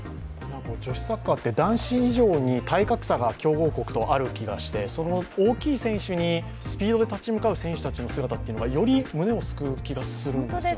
女子サッカーって、男子以上に体格差が強豪国とある気がしていて、大きな選手にスピードで立ち向かう選手たちの姿っていうのがより胸を救う気がするんですよね。